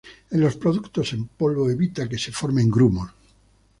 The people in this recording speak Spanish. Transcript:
En los productos en polvo evita que se formen grumos.